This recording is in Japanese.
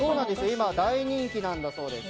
今、大人気だそうです。